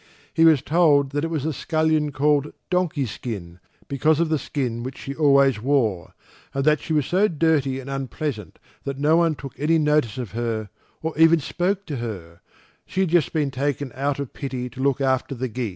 He was told that it was a scullion called Donkey skin because of the skin which she always wore, and that she was so dirty and unpleasant that no one took any notice of her, or even spoke to her; she had just been taken out of pity to look after the geese.